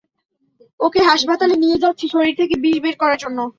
ওকে হাসপাতালে নিয়ে যাচ্ছি শরীর থেকে বিষ বের করার জন্য।